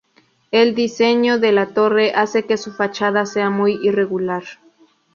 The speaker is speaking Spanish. El diseño de la torre hace que su fachada sea muy irregular.